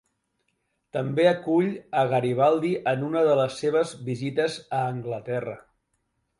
També acull a Garibaldi en una de les seves visites a Anglaterra.